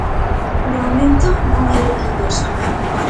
De momento, non hai detidos.